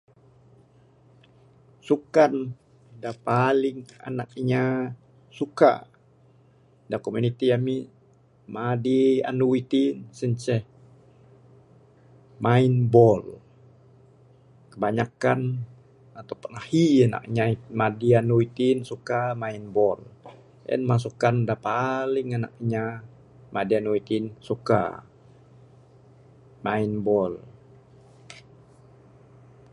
Sukan da paling anak inya suka da komuniti ami madi anu iti sien ceh main bol kebanyakkan ato pun ahi anak inya madi anu itin suka main bol . En mah sukan da paling anak inya madi anu iti suka main bol.